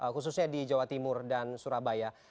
khususnya di jawa timur dan surabaya